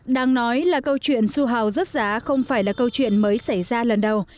đang nói là câu chuyện su hào rớt giá không phải là câu chuyện mới xảy ra lần đầu